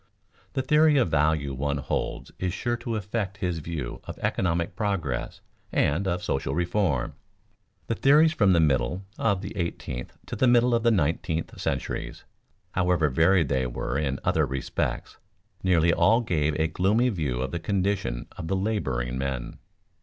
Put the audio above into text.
_ The theory of value one holds is sure to affect his view of economic progress and of social reform. The theories from the middle of the eighteenth to the middle of the nineteenth centuries, however varied they were in other respects, nearly all gave a gloomy view of the condition of the laboring men.